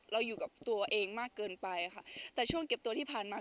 อยู่กับตัวเองมากเกินไปค่ะแต่ช่วงเก็บตัวที่ผ่านมา